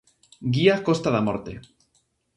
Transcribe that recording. Guía Costa da Morte.